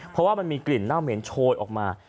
เพราะว่ามันมีกลิ่นเน่าเหม็นโชยออกมา